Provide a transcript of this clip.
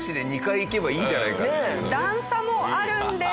段差もあるんです。